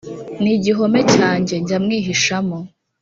Ni igihome cyanjye njya mwihishamo